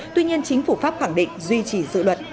tuy nhiên chính phủ pháp khẳng định duy trì dự luật